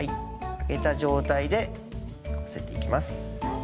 開けた状態でかぶせていきます。